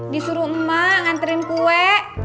disuruh emak nganterin kue